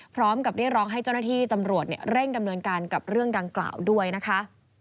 พร้อมกับเรียกร้องให้เจ้าหน้าที่ตำรวจเร่งดำเนินการกับเรื่องดังกล่าวด้วยนะคะ